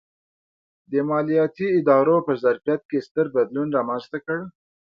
د مالیاتي ادارو په ظرفیت کې ستر بدلون رامنځته کړ.